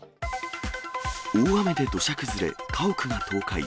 大雨で土砂崩れ、家屋が倒壊。